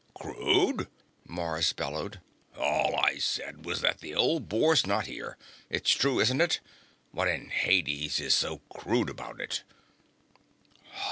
"Crude?" Mars bellowed. "All I said was that the old bore's not here. It's true, isn't it? What in Hades is so crude about it?"